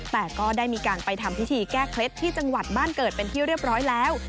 แต่ก็ได้มีการไปทำพิธีแก้เคล็ดที่จังหวัดบ้านเกิดเป็นที่เรียบร้อยแล้ว